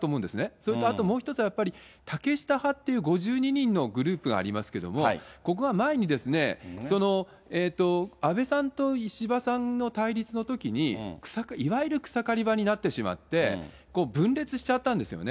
それとあともう１つは、竹下派という５２人のグループがありますけれども、ここが前に、安倍さんと石破さんの対立のときに、いわゆる草刈り場になってしまって、分裂しちゃったんですよね。